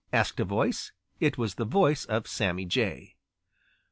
asked a voice. It was the voice of Sammy Jay.